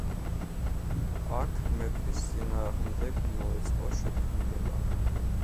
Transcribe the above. აქ მეფის წინააღმდეგ მოეწყო შეთქმულება.